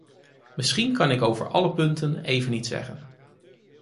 Misschien kan ik over alle punten even iets zeggen.